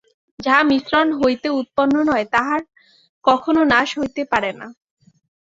যাহা মিশ্রণ হইতে উৎপন্ন নয়, তাহার কখনও নাশ হইতে পারে না।